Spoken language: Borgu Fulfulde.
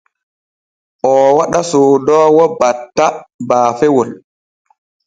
Oo waɗa soodoowo batta baafewol.